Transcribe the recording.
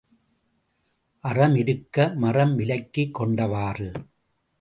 அறம் இருக்க மறம் விலைக்குக் கொண்டவாறு.